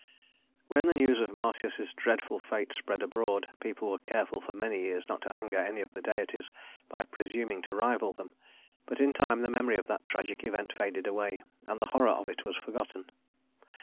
III When the news of Marsyas's dreadful fate spread abroad, people were careful for many years not to anger any of the deities by presuming to rival them; but in time the memory of that tragic event faded away, and the horror of it was forgotten.